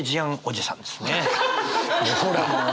ほら。